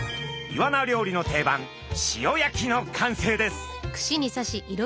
イワナ料理の定番塩焼きの完成です。